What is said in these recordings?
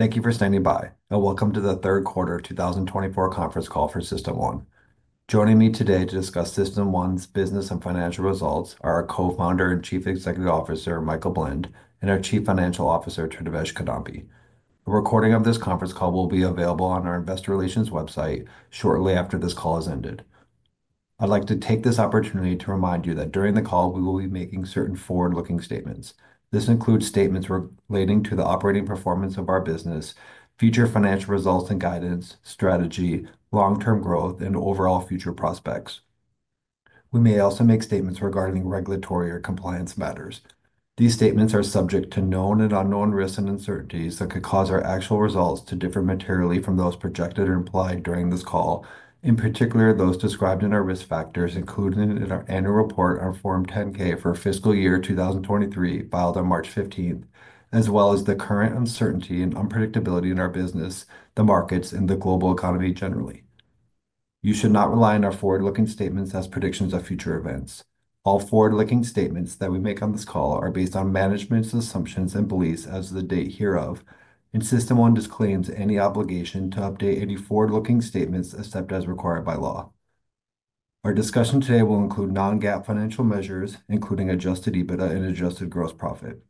Thank you for standing by, and welcome to the Q3 2024 Conference Call for System1. Joining me today to discuss System1's business and financial results are our co-founder and Chief Executive Officer, Michael Blend, and our Chief Financial Officer, Tridivesh Kidambi. A recording of this conference call will be available on our Investor Relations website shortly after this call has ended. I'd like to take this opportunity to remind you that during the call, we will be making certain forward-looking statements. This includes statements relating to the operating performance of our business, future financial results and guidance, strategy, long-term growth, and overall future prospects. We may also make statements regarding regulatory or compliance matters. These statements are subject to known and unknown risks and uncertainties that could cause our actual results to differ materially from those projected or implied during this call, in particular those described in our risk factors, included in our annual report on Form 10-K for fiscal year 2023, filed on 15 March, as well as the current uncertainty and unpredictability in our business, the markets, and the global economy generally. You should not rely on our forward-looking statements as predictions of future events. All forward-looking statements that we make on this call are based on management's assumptions and beliefs as of the date hereof, and System1 disclaims any obligation to update any forward-looking statements except as required by law. Our discussion today will include non-GAAP financial measures, including adjusted EBITDA and adjusted gross profit.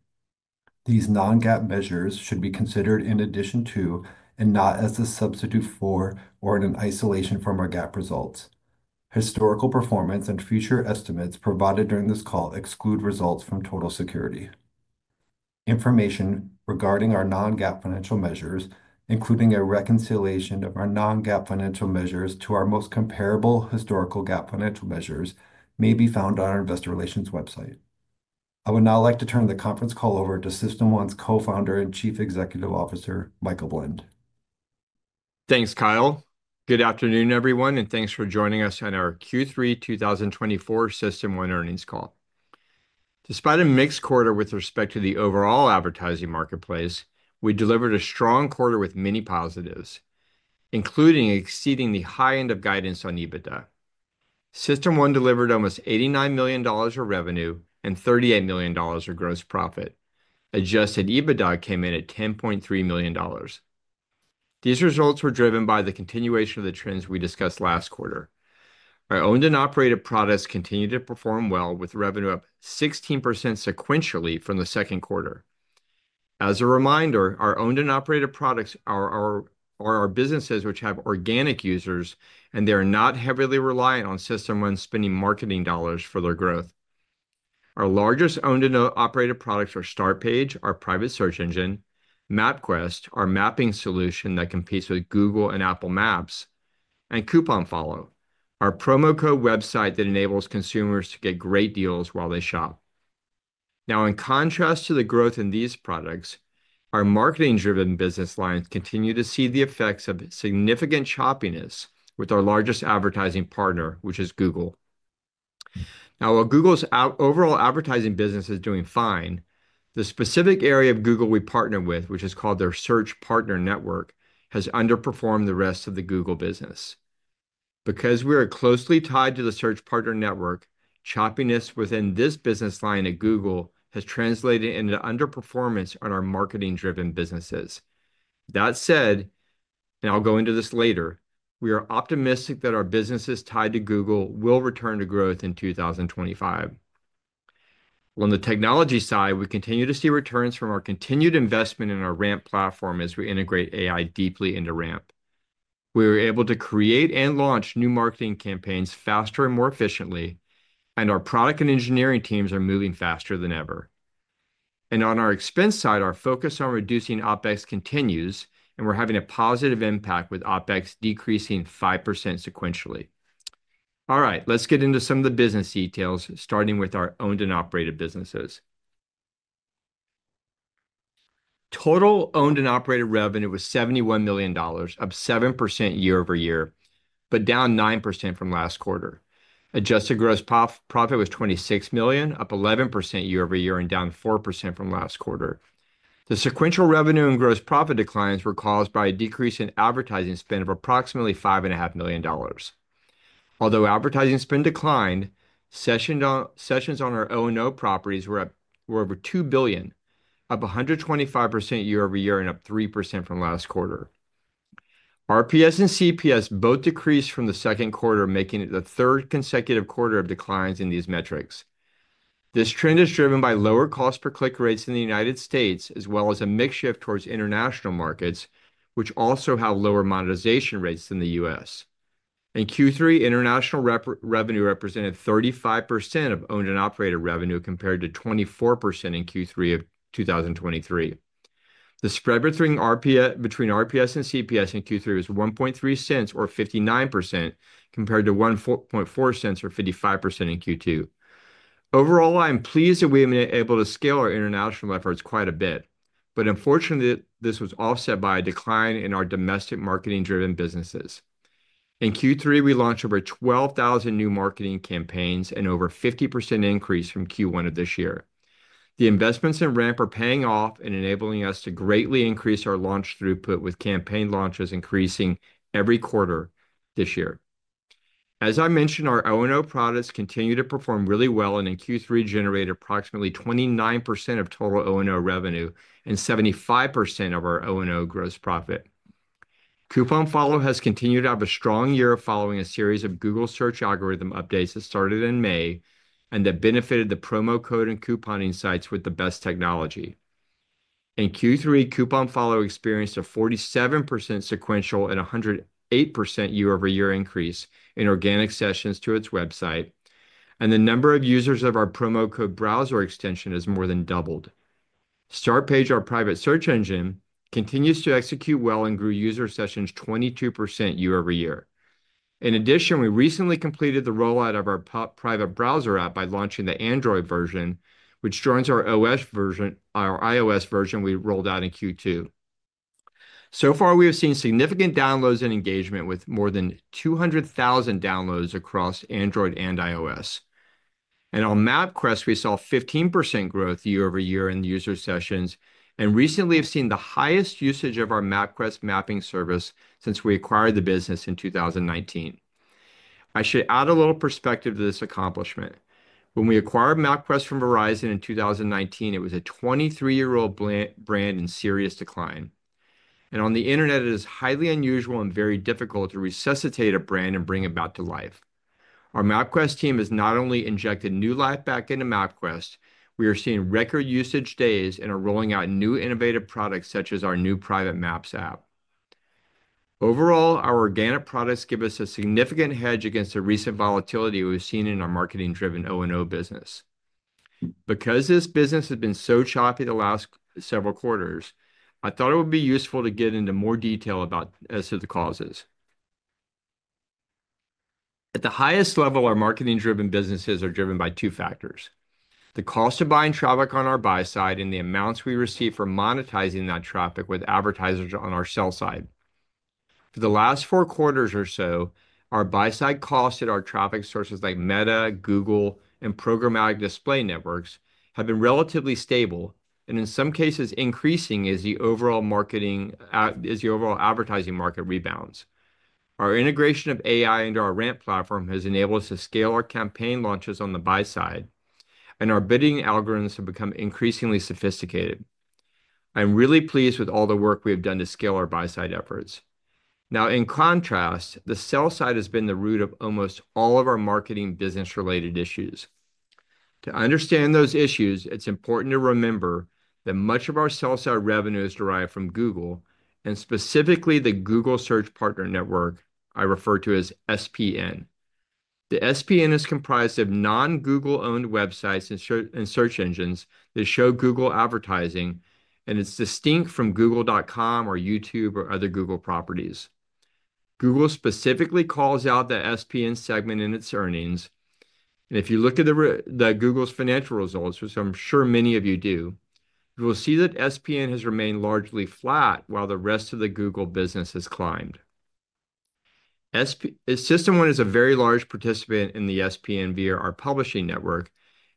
These non-GAAP measures should be considered in addition to and not as a substitute for or in isolation from our GAAP results. Historical performance and future estimates provided during this call exclude results from Total Security. Information regarding our non-GAAP financial measures, including a reconciliation of our non-GAAP financial measures to our most comparable historical GAAP financial measures, may be found on our Investor Relations website. I would now like to turn the conference call over to System1's co-founder and Chief Executive Officer, Michael Blend. Thanks, Kyle. Good afternoon, everyone, and thanks for joining us on our Q3 2024 System1 earnings call. Despite a mixed quarter with respect to the overall advertising marketplace, we delivered a strong quarter with many positives, including exceeding the high end of guidance on EBITDA. System1 delivered almost $89 million of revenue and $38 million of gross profit. Adjusted EBITDA came in at $10.3 million. These results were driven by the continuation of the trends we discussed last quarter. Our owned and operated products continued to perform well, with revenue up 16% sequentially from the Q2. As a reminder, our owned and operated products are our businesses which have organic users, and they are not heavily reliant on System1 spending marketing dollars for their growth. Our largest owned and operated products are Startpage, our private search engine, MapQuest, our mapping solution that competes with Google and Apple Maps, and CouponFollow, our promo code website that enables consumers to get great deals while they shop. Now, in contrast to the growth in these products, our marketing-driven business lines continue to see the effects of significant choppiness with our largest advertising partner, which is Google. Now, while Google's overall advertising business is doing fine, the specific area of Google we partner with, which is called their Search Partner Network, has underperformed the rest of the Google business. Because we are closely tied to the Search Partner Network, choppiness within this business line at Google has translated into underperformance on our marketing-driven businesses. That said, and I'll go into this later, we are optimistic that our businesses tied to Google will return to growth in 2025. On the technology side, we continue to see returns from our continued investment in our RAMP platform as we integrate AI deeply into RAMP. We were able to create and launch new marketing campaigns faster and more efficiently, and our product and engineering teams are moving faster than ever. And on our expense side, our focus on reducing OpEx continues, and we're having a positive impact with OpEx decreasing 5% sequentially. All right, let's get into some of the business details, starting with our owned and operated businesses. Total owned and operated revenue was $71 million, up 7% year-over-year, but down 9% from last quarter. Adjusted gross profit was $26 million, up 11% year-over-year and down 4% from last quarter. The sequential revenue and gross profit declines were caused by a decrease in advertising spend of approximately $5.5 million. Although advertising spend declined, sessions on our O&O properties were up over 2 billion, up 125% year-over-year and up 3% from last quarter. RPS and CPS both decreased from the Q2, making it the third consecutive quarter of declines in these metrics. This trend is driven by lower cost per click rates in the United States, as well as a mixture towards international markets, which also have lower monetization rates than the U.S. In Q3, international revenue represented 35% of owned and operated revenue compared to 24% in Q3 of 2023. The spread between RPS and CPS in Q3 was $0.013 or 59% compared to $0.014 or 55% in Q2. Overall, I am pleased that we have been able to scale our international efforts quite a bit, but unfortunately, this was offset by a decline in our domestic marketing-driven businesses. In Q3, we launched over 12,000 new marketing campaigns and over a 50% increase from Q1 of this year. The investments in RAMP are paying off and enabling us to greatly increase our launch throughput with campaign launches increasing every quarter this year. As I mentioned, our O&O products continue to perform really well and in Q3 generated approximately 29% of total O&O revenue and 75% of our O&O gross profit. CouponFollow has continued to have a strong year following a series of Google search algorithm updates that started in May and that benefited the promo code and couponing sites with the best technology. In Q3, CouponFollow experienced a 47% sequential and 108% year-over-year increase in organic sessions to its website, and the number of users of our promo code browser extension has more than doubled. Startpage, our private search engine, continues to execute well and grew user sessions 22% year-over-year. In addition, we recently completed the rollout of our private browser app by launching the Android version, which joins our iOS version we rolled out in Q2. So far, we have seen significant downloads and engagement with more than 200,000 downloads across Android and iOS. And on MapQuest, we saw 15% growth year-over-year in user sessions and recently have seen the highest usage of our MapQuest mapping service since we acquired the business in 2019. I should add a little perspective to this accomplishment. When we acquired MapQuest from Verizon in 2019, it was a 23-year-old brand in serious decline. And on the internet, it is highly unusual and very difficult to resuscitate a brand and bring it back to life. Our MapQuest team has not only injected new life back into MapQuest. We are seeing record usage days and are rolling out new innovative products such as our new private maps app. Overall, our organic products give us a significant hedge against the recent volatility we've seen in our marketing-driven O&O business. Because this business has been so choppy the last several quarters, I thought it would be useful to get into more detail about the causes. At the highest level, our marketing-driven businesses are driven by two factors: the cost of buying traffic on our buy side and the amounts we receive for monetizing that traffic with advertisers on our sell side. For the last four quarters or so, our buy side cost at our traffic sources like Meta, Google, and programmatic display networks have been relatively stable and in some cases increasing as the overall advertising market rebounds. Our integration of AI into our RAMP platform has enabled us to scale our campaign launches on the buy side, and our bidding algorithms have become increasingly sophisticated. I'm really pleased with all the work we have done to scale our buy side efforts. Now, in contrast, the sell side has been the root of almost all of our marketing business-related issues. To understand those issues, it's important to remember that much of our sell side revenue is derived from Google and specifically the Google Search Partner Network I refer to as SPN. The SPN is comprised of non-Google-owned websites and search engines that show Google advertising, and it's distinct from Google.com or YouTube or other Google properties. Google specifically calls out the SPN segment in its earnings, and if you look at Google's financial results, which I'm sure many of you do, you will see that SPN has remained largely flat while the rest of the Google business has climbed. System1 is a very large participant in the SPN via our publishing network,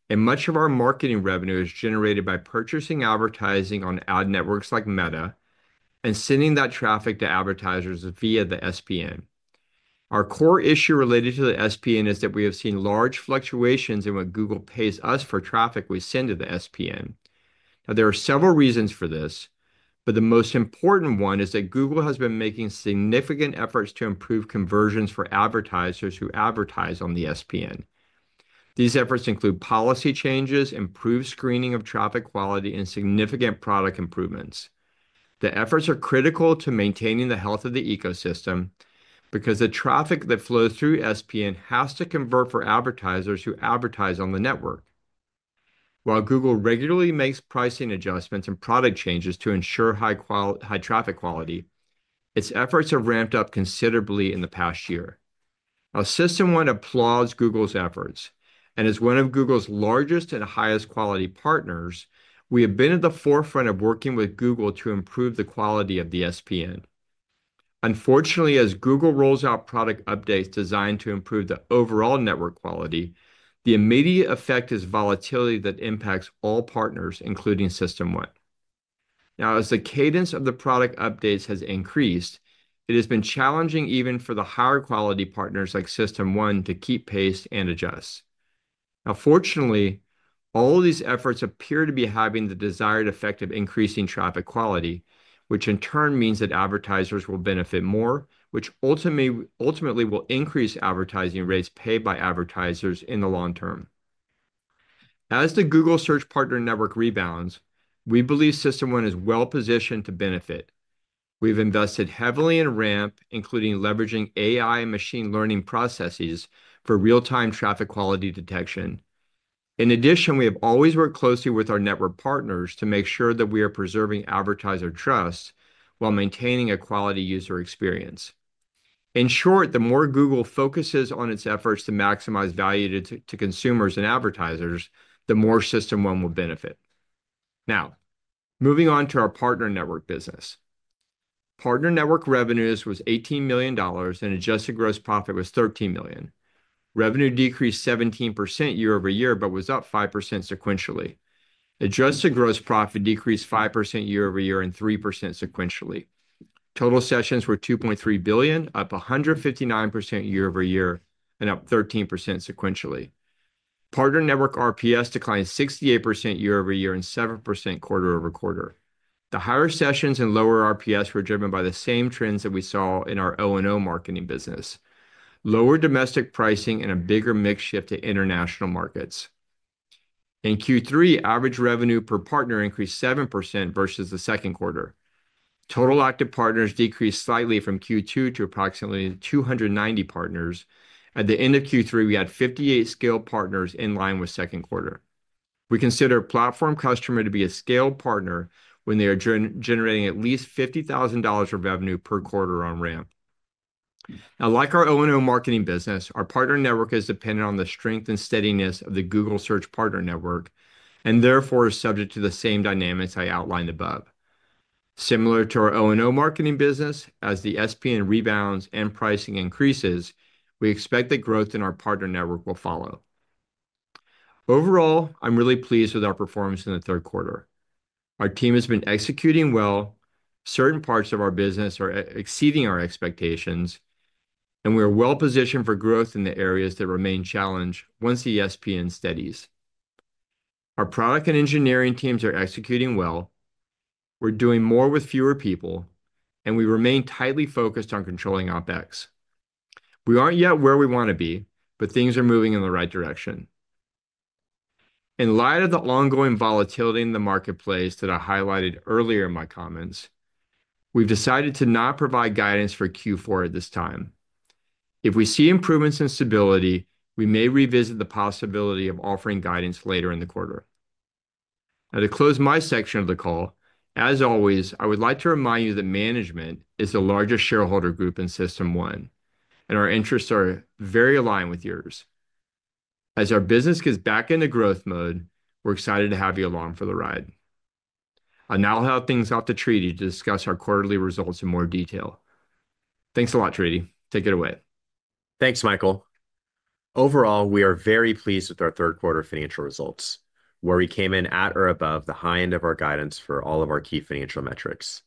and much of our marketing revenue is generated by purchasing advertising on ad networks like Meta and sending that traffic to advertisers via the SPN. Our core issue related to the SPN is that we have seen large fluctuations in what Google pays us for traffic we send to the SPN. Now, there are several reasons for this, but the most important one is that Google has been making significant efforts to improve conversions for advertisers who advertise on the SPN. These efforts include policy changes, improved screening of traffic quality, and significant product improvements. The efforts are critical to maintaining the health of the ecosystem because the traffic that flows through SPN has to convert for advertisers who advertise on the network. While Google regularly makes pricing adjustments and product changes to ensure high traffic quality, its efforts have ramped up considerably in the past year. Now, System1 applauds Google's efforts, and as one of Google's largest and highest quality partners, we have been at the forefront of working with Google to improve the quality of the SPN. Unfortunately, as Google rolls out product updates designed to improve the overall network quality, the immediate effect is volatility that impacts all partners, including System1. Now, as the cadence of the product updates has increased, it has been challenging even for the higher quality partners like System1 to keep pace and adjust. Now, fortunately, all of these efforts appear to be having the desired effect of increasing traffic quality, which in turn means that advertisers will benefit more, which ultimately will increase advertising rates paid by advertisers in the long term. As the Google Search Partner Network rebounds, we believe System1 is well positioned to benefit. We've invested heavily in RAMP, including leveraging AI and machine learning processes for real-time traffic quality detection. In addition, we have always worked closely with our network partners to make sure that we are preserving advertiser trust while maintaining a quality user experience. In short, the more Google focuses on its efforts to maximize value to consumers and advertisers, the more System1 will benefit. Now, moving on to our partner network business. Partner network revenues was $18 million and adjusted gross profit was $13 million. Revenue decreased 17% year-over-year, but was up 5% sequentially. Adjusted gross profit decreased 5% year-over-year and 3% sequentially. Total sessions were 2.3 billion, up 159% year-over-year, and up 13% sequentially. Partner network RPS declined 68% year-over-year and 7% quarter-over-quarter. The higher sessions and lower RPS were driven by the same trends that we saw in our O&O marketing business: lower domestic pricing and a bigger mix shift to international markets. In Q3, average revenue per partner increased 7% versus the Q2. Total active partners decreased slightly from Q2 to approximately 290 partners. At the end of Q3, we had 58 scaled partners in line with Q2. We consider a platform customer to be a scaled partner when they are generating at least $50,000 of revenue per quarter on RAMP. Now, like our O&O marketing business, our partner network is dependent on the strength and steadiness of the Google Search Partner Network and therefore is subject to the same dynamics I outlined above. Similar to our O&O marketing business, as the SPN rebounds and pricing increases, we expect that growth in our partner network will follow. Overall, I'm really pleased with our performance in the Q3. Our team has been executing well. Certain parts of our business are exceeding our expectations, and we are well positioned for growth in the areas that remain challenged once the SPN steadies. Our product and engineering teams are executing well. We're doing more with fewer people, and we remain tightly focused on controlling OPEX. We aren't yet where we want to be, but things are moving in the right direction. In light of the ongoing volatility in the marketplace that I highlighted earlier in my comments, we've decided to not provide guidance for Q4 at this time. If we see improvements in stability, we may revisit the possibility of offering guidance later in the quarter. Now, to close my section of the call, as always, I would like to remind you that management is the largest shareholder group in System1, and our interests are very aligned with yours. As our business gets back into growth mode, we're excited to have you along for the ride. I'll now hand it over to Tridi to discuss our quarterly results in more detail. Thanks a lot, Tridi. Take it away. Thanks, Michael. Overall, we are very pleased with our Q3 financial results, where we came in at or above the high end of our guidance for all of our key financial metrics,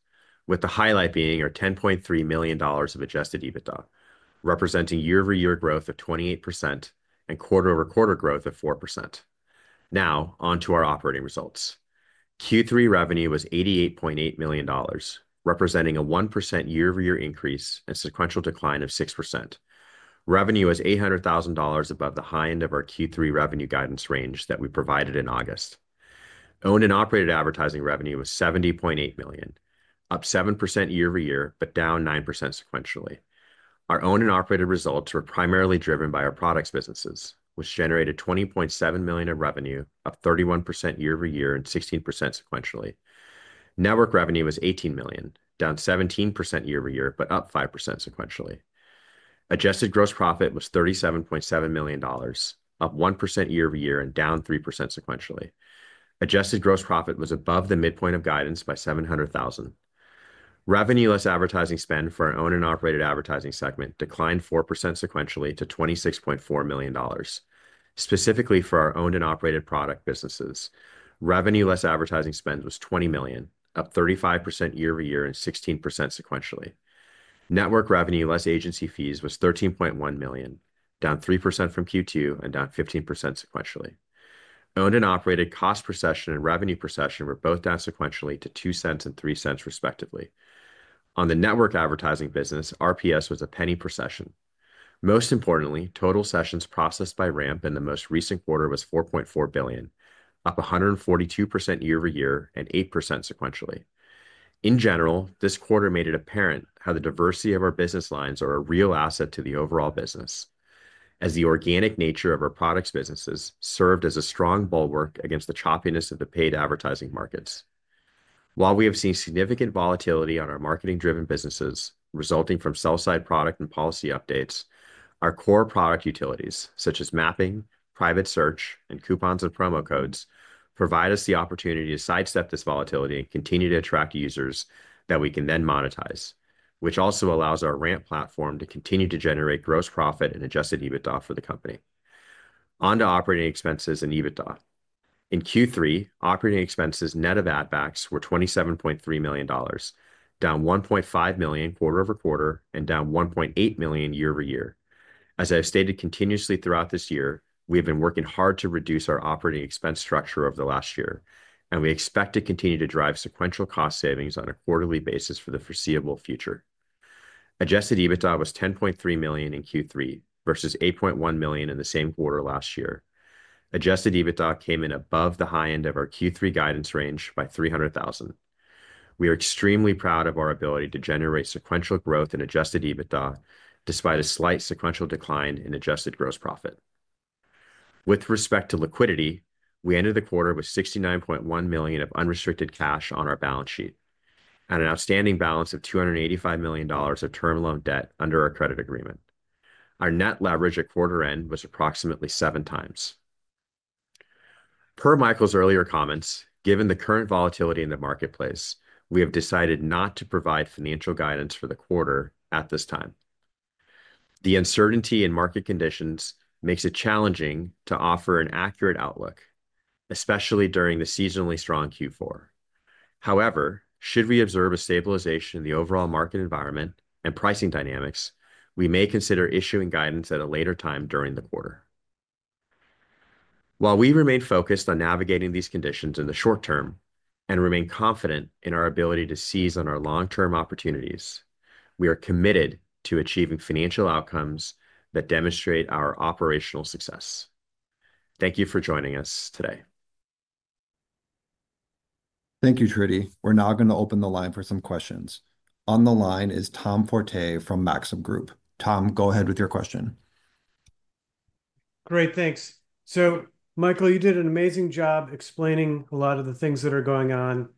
with the highlight being our $10.3 million of Adjusted EBITDA, representing year-over-year growth of 28% and quarter-over-quarter growth of 4%. Now, on to our operating results. Q3 revenue was $88.8 million, representing a 1% year-over-year increase and sequential decline of 6%. Revenue was $800,000 above the high end of our Q3 revenue guidance range that we provided in August. Owned and operated advertising revenue was $70.8 million, up 7% year-over-year, but down 9% sequentially. Our owned and operated results were primarily driven by our products businesses, which generated $20.7 million of revenue, up 31% year-over-year and 16% sequentially. Network revenue was $18 million, down 17% year-over-year, but up 5% sequentially. Adjusted gross profit was $37.7 million, up 1% year-over-year and down 3% sequentially. Adjusted gross profit was above the midpoint of guidance by $700,000. Revenue-less advertising spend for our owned and operated advertising segment declined 4% sequentially to $26.4 million, specifically for our owned and operated product businesses. Revenue-less advertising spend was $20 million, up 35% year-over-year and 16% sequentially. Network revenue-less agency fees was $13.1 million, down 3% from Q2 and down 15% sequentially. Owned and operated cost per session and revenue per session were both down sequentially to $0.02 and $0.03 respectively. On the network advertising business, RPS was $0.01 per session. Most importantly, total sessions processed by RAMP in the most recent quarter was 4.4 billion, up 142% year-over-year and 8% sequentially. In general, this quarter made it apparent how the diversity of our business lines are a real asset to the overall business, as the organic nature of our products businesses served as a strong bulwark against the choppiness of the paid advertising markets. While we have seen significant volatility on our marketing-driven businesses resulting from sell-side product and policy updates, our core product utilities, such as mapping, private search, and coupons and promo codes, provide us the opportunity to sidestep this volatility and continue to attract users that we can then monetize, which also allows our RAMP platform to continue to generate gross profit and Adjusted EBITDA for the company. On to operating expenses and EBITDA. In Q3, operating expenses net of add-backs were $27.3 million, down $1.5 million quarter-over-quarter and down $1.8 million year-over-year. As I have stated continuously throughout this year, we have been working hard to reduce our operating expense structure over the last year, and we expect to continue to drive sequential cost savings on a quarterly basis for the foreseeable future. Adjusted EBITDA was $10.3 million in Q3 versus $8.1 million in the same quarter last year. Adjusted EBITDA came in above the high end of our Q3 guidance range by $300,000. We are extremely proud of our ability to generate sequential growth in adjusted EBITDA despite a slight sequential decline in adjusted gross profit. With respect to liquidity, we ended the quarter with $69.1 million of unrestricted cash on our balance sheet and an outstanding balance of $285 million of term loan debt under our credit agreement. Our net leverage at quarter end was approximately seven times. Per Michael's earlier comments, given the current volatility in the marketplace, we have decided not to provide financial guidance for the quarter at this time. The uncertainty in market conditions makes it challenging to offer an accurate outlook, especially during the seasonally strong Q4. However, should we observe a stabilization in the overall market environment and pricing dynamics, we may consider issuing guidance at a later time during the quarter. While we remain focused on navigating these conditions in the short term and remain confident in our ability to seize on our long-term opportunities, we are committed to achieving financial outcomes that demonstrate our operational success. Thank you for joining us today. Thank you, Tridi. We're now going to open the line for some questions. On the line is Tom Forte from Maxim Group. Tom, go ahead with your question. Great, thanks. So, Michael, you did an amazing job explaining a lot of the things that are going on.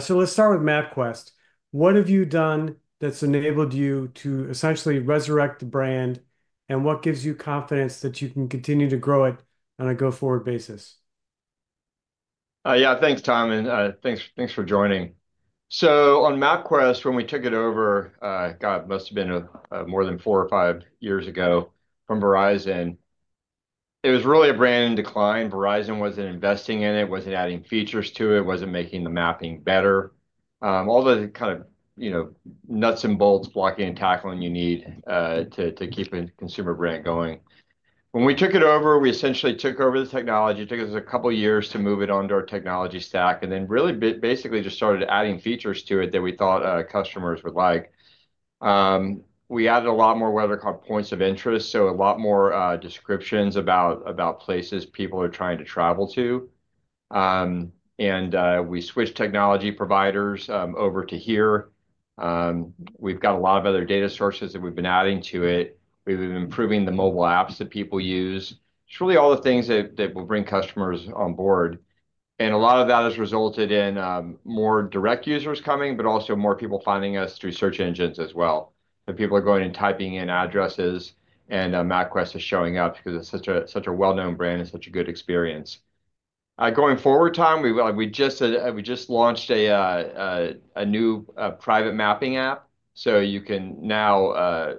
So let's start with MapQuest. What have you done that's enabled you to essentially resurrect the brand, and what gives you confidence that you can continue to grow it on a go-forward basis? Yeah, thanks, Tom, and thanks for joining. So on MapQuest, when we took it over, God, it must have been more than four or five years ago from Verizon. It was really a brand in decline. Verizon wasn't investing in it, wasn't adding features to it, wasn't making the mapping better, all the kind of, you know, nuts and bolts, blocking and tackling you need to keep a consumer brand going. When we took it over, we essentially took over the technology. It took us a couple of years to move it onto our technology stack and then really basically just started adding features to it that we thought customers would like. We added a lot more what are called points of interest, so a lot more descriptions about places people are trying to travel to. And we switched technology providers over to HERE. We've got a lot of other data sources that we've been adding to it. We've been improving the mobile apps that people use. It's really all the things that will bring customers on board. And a lot of that has resulted in more direct users coming, but also more people finding us through search engines as well. People are going and typing in addresses, and MapQuest is showing up because it's such a well-known brand and such a good experience. Going forward, Tom, we just launched a new private mapping app. So you can now,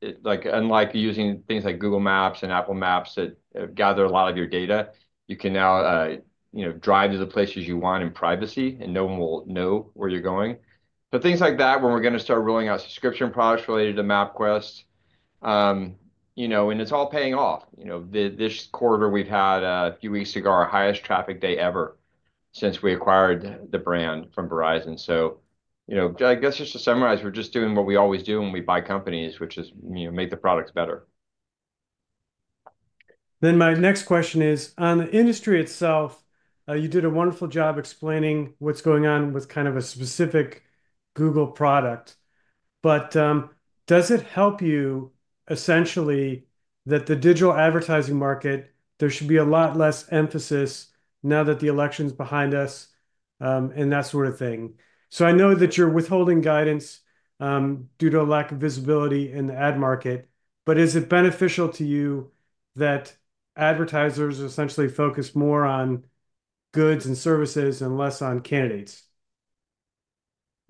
unlike using things like Google Maps and Apple Maps that gather a lot of your data, you can now drive to the places you want in privacy, and no one will know where you're going. So things like that, when we're going to start rolling out subscription products related to MapQuest, and it's all paying off. This quarter, we've had, a few weeks ago, our highest traffic day ever since we acquired the brand from Verizon. So I guess just to summarize, we're just doing what we always do when we buy companies, which is make the products better. Then my next question is, on the industry itself, you did a wonderful job explaining what's going on with kind of a specific Google product. But does it help you essentially that the digital advertising market, there should be a lot less emphasis now that the election's behind us and that sort of thing? So I know that you're withholding guidance due to a lack of visibility in the ad market, but is it beneficial to you that advertisers essentially focus more on goods and services and less on candidates?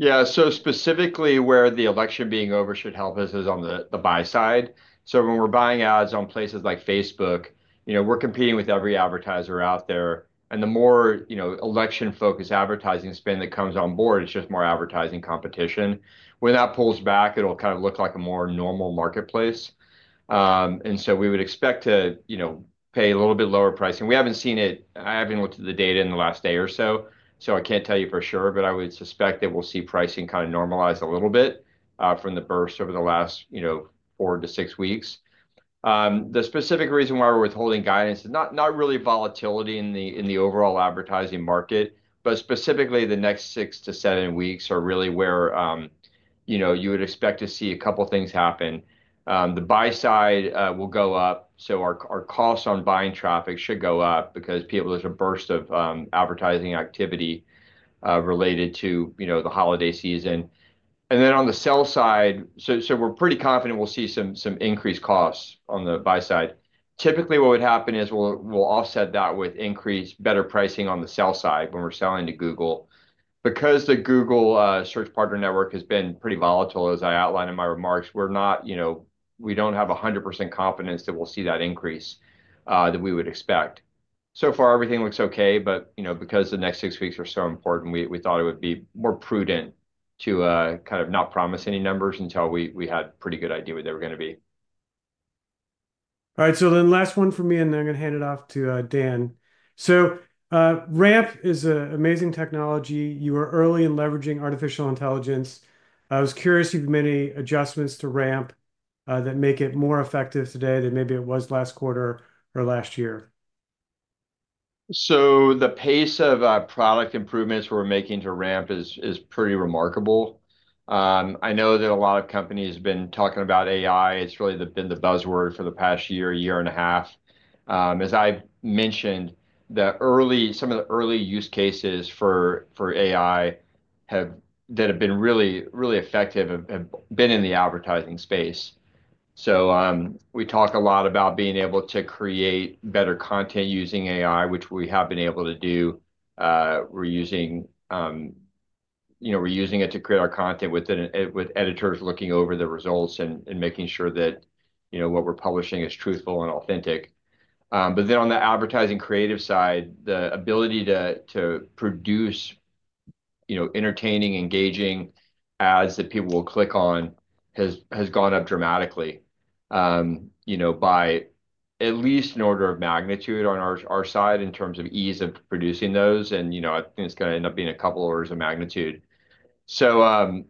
Yeah, so specifically where the election being over should help us is on the buy side. So when we're buying ads on places like Facebook, we're competing with every advertiser out there. And the more election-focused advertising spend that comes on board, it's just more advertising competition. When that pulls back, it'll kind of look like a more normal marketplace. And so we would expect to pay a little bit lower pricing. We haven't seen it. I haven't looked at the data in the last day or so, so I can't tell you for sure, but I would suspect that we'll see pricing kind of normalize a little bit from the burst over the last four to six weeks. The specific reason why we're withholding guidance is not really volatility in the overall advertising market, but specifically the next six to seven weeks are really where you would expect to see a couple of things happen. The buy side will go up, so our cost on buying traffic should go up because there's a burst of advertising activity related to the holiday season. Then on the sell side, we're pretty confident we'll see some increased costs on the buy side. Typically, what would happen is we'll offset that with better pricing on the sell side when we're selling to Google. Because the Google Search Partner Network has been pretty volatile, as I outlined in my remarks, we don't have 100% confidence that we'll see that increase that we would expect. So far, everything looks okay, but because the next six weeks are so important, we thought it would be more prudent to kind of not promise any numbers until we had a pretty good idea what they were going to be. All right, so then last one for me, and then I'm going to hand it off to Dan. So RAMP is an amazing technology. You were early in leveraging artificial intelligence. I was curious if you've made any adjustments to RAMP that make it more effective today than maybe it was last quarter or last year. So the pace of product improvements we're making to RAMP is pretty remarkable. I know that a lot of companies have been talking about AI. It's really been the buzzword for the past year and a half. As I mentioned, some of the early use cases for AI that have been really effective have been in the advertising space. So we talk a lot about being able to create better content using AI, which we have been able to do. We're using it to create our content with editors looking over the results and making sure that what we're publishing is truthful and authentic. But then on the advertising creative side, the ability to produce entertaining, engaging ads that people will click on has gone up dramatically by at least an order of magnitude on our side in terms of ease of producing those. And I think it's going to end up being a couple orders of magnitude. So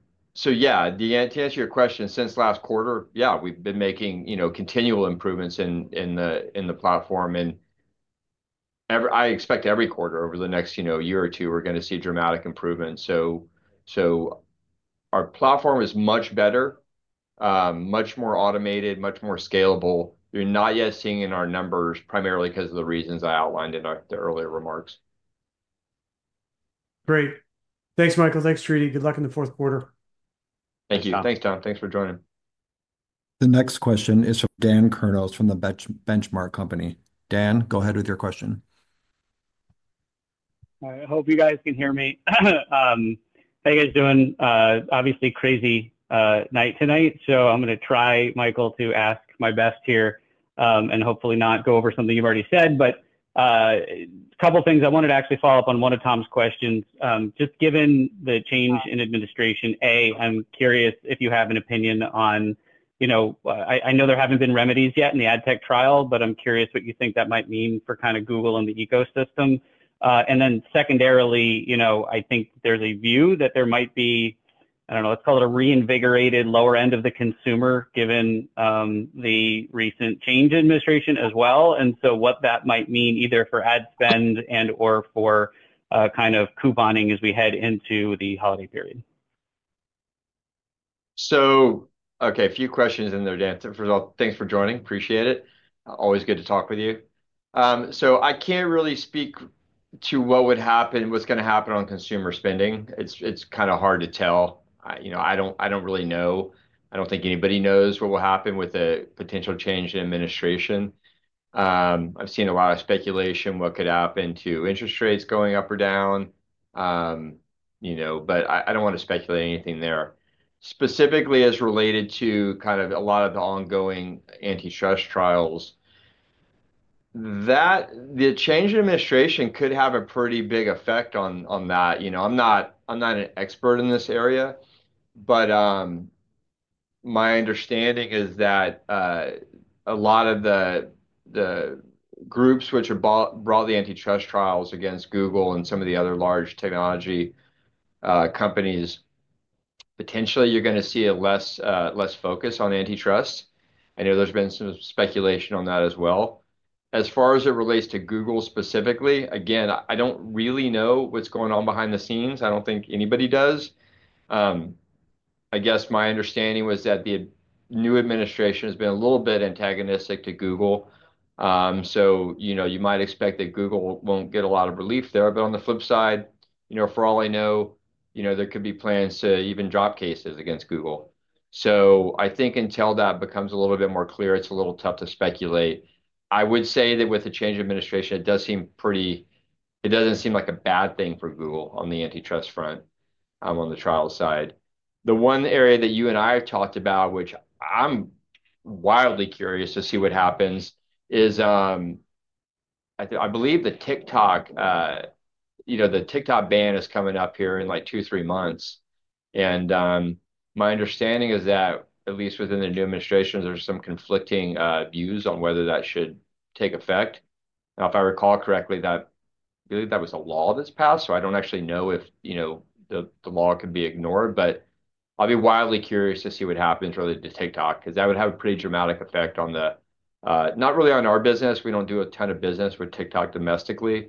yeah, to answer your question, since last quarter, yeah, we've been making continual improvements in the platform. And I expect every quarter over the next year or two, we're going to see dramatic improvements. So our platform is much better, much more automated, much more scalable. You're not yet seeing in our numbers primarily because of the reasons I outlined in the earlier remarks. Great. Thanks, Michael. Thanks, tridi. Good luck in the Q4. Thank you. Thanks, Tom. Thanks for joining. The next question is from Dan Kurnos from The Benchmark Company. Dan, go ahead with your question. All right. I hope you guys can hear me. How are you guys doing? Obviously, crazy night tonight. So I'm going to try, Michael, to ask my best here and hopefully not go over something you've already said. But a couple of things I wanted to actually follow up on one of Tom's questions. Just given the change in administration, A, I'm curious if you have an opinion on, I know there haven't been remedies yet in the ad tech trial, but I'm curious what you think that might mean for kind of Google and the ecosystem. And then secondarily, I think there's a view that there might be, I don't know, let's call it a reinvigorated lower end of the consumer given the recent change in administration as well. And so what that might mean either for ad spend and/or for kind of couponing as we head into the holiday period. So, okay, a few questions in there, Dan. First of all, thanks for joining. Appreciate it. Always good to talk with you. I can't really speak to what would happen, what's going to happen on consumer spending. It's kind of hard to tell. I don't really know. I don't think anybody knows what will happen with a potential change in administration. I've seen a lot of speculation what could happen to interest rates going up or down. I don't want to speculate anything there. Specifically, as related to kind of a lot of the ongoing antitrust trials, the change in administration could have a pretty big effect on that. I'm not an expert in this area, but my understanding is that a lot of the groups which have brought the antitrust trials against Google and some of the other large technology companies, potentially you're going to see a less focus on antitrust. I know there's been some speculation on that as well. As far as it relates to Google specifically, again, I don't really know what's going on behind the scenes. I don't think anybody does. I guess my understanding was that the new administration has been a little bit antagonistic to Google. So you might expect that Google won't get a lot of relief there. But on the flip side, for all I know, there could be plans to even drop cases against Google. So I think until that becomes a little bit more clear, it's a little tough to speculate. I would say that with the change of administration, it does seem pretty. It doesn't seem like a bad thing for Google on the antitrust front on the trial side. The one area that you and I have talked about, which I'm wildly curious to see what happens, is I believe the TikTok ban is coming up here in like two, three months. And my understanding is that, at least within the new administration, there's some conflicting views on whether that should take effect. Now, if I recall correctly, I believe that was a law that's passed. So I don't actually know if the law could be ignored. But I'll be wildly curious to see what happens related to TikTok because that would have a pretty dramatic effect on the, not really on our business. We don't do a ton of business with TikTok domestically.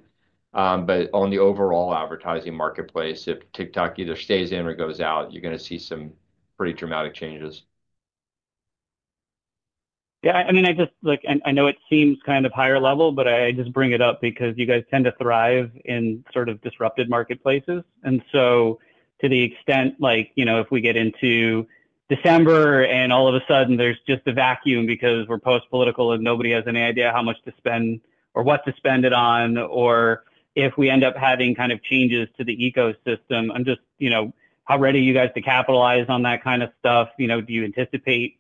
But on the overall advertising marketplace, if TikTok either stays in or goes out, you're going to see some pretty dramatic changes. Yeah. I mean, I know it seems kind of higher level, but I just bring it up because you guys tend to thrive in sort of disrupted marketplaces. And so to the extent, if we get into December and all of a sudden there's just a vacuum because we're post-political and nobody has any idea how much to spend or what to spend it on, or if we end up having kind of changes to the ecosystem, I'm just, how ready are you guys to capitalize on that kind of stuff? Do you anticipate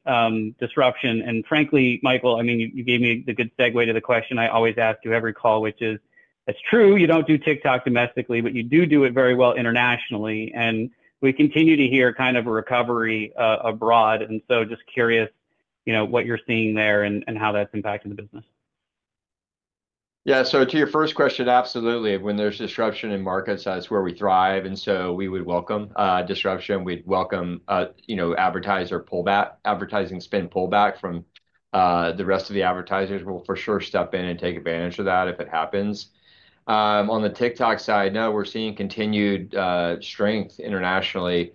disruption? And frankly, Michael, I mean, you gave me the good segue to the question I always ask you every call, which is, it's true you don't do TikTok domestically, but you do do it very well internationally. And we continue to hear kind of a recovery abroad. And so, just curious, what you're seeing there and how that's impacting the business. Yeah. So to your first question, absolutely. When there's disruption in market size, where we thrive. And so we would welcome disruption. We'd welcome advertiser pullback, advertising spend pullback from the rest of the advertisers. We'll for sure step in and take advantage of that if it happens. On the TikTok side, no, we're seeing continued strength internationally.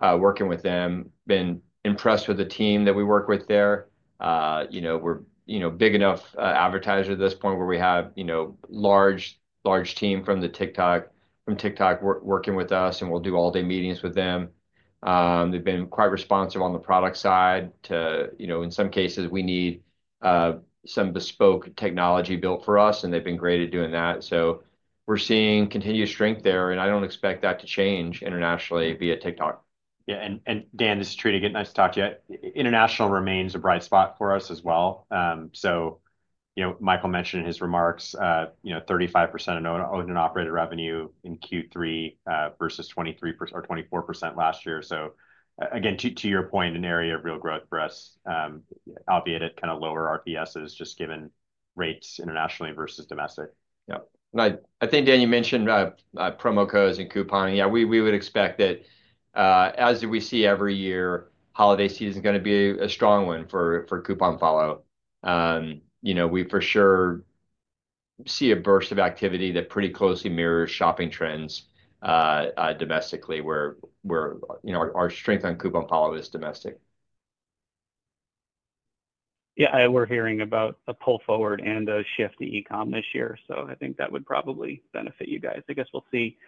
Working with them. Been impressed with the team that we work with there. We're a big enough advertiser at this point where we have a large team from TikTok working with us, and we'll do all-day meetings with them. They've been quite responsive on the product side to, in some cases, we need some bespoke technology built for us, and they've been great at doing that. So we're seeing continued strength there, and I don't expect that to change internationally via TikTok. Yeah. And Dan, this is Tridi. Good to talk to you. International remains a bright spot for us as well. So Michael mentioned in his remarks, 35% of owned and operated revenue in Q3 versus 23 or 24% last year. So again, to your point, an area of real growth for us, albeit at kind of lower RPSs just given rates internationally versus domestic. Yeah. And I think, Dan, you mentioned promo codes and couponing. Yeah, we would expect that, as we see every year, holiday season is going to be a strong one for CouponFollow. We for sure see a burst of activity that pretty closely mirrors shopping trends domestically where our strength on CouponFollow is domestic. Yeah. We're hearing about a pull forward and a shift to e-com this year. So I think that would probably benefit you guys. I guess we'll see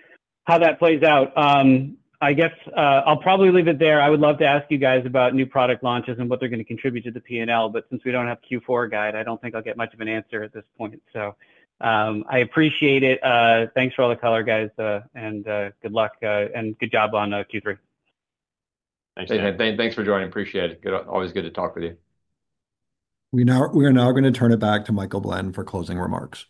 how that plays out. I guess I'll probably leave it there. I would love to ask you guys about new product launches and what they're going to contribute to the P&L. But since we don't have Q4 guide, I don't think I'll get much of an answer at this point. So I appreciate it. Thanks for all the color, guys. And good luck and good job on Q3. Thanks. Thanks for joining. Appreciate it. Always good to talk with you. We are now going to turn it back to Michael Blend for closing remarks.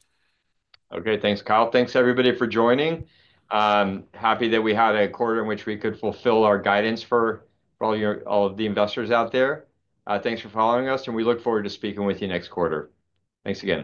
Okay. Thanks, Kyle. Thanks, everybody, for joining. Happy that we had a quarter in which we could fulfill our guidance for all of the investors out there. Thanks for following us, and we look forward to speaking with you next quarter. Thanks again.